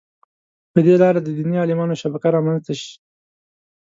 په دې لاره د دیني عالمانو شبکه رامنځته شي.